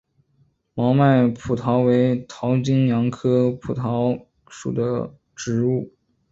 毛脉蒲桃为桃金娘科蒲桃属的植物。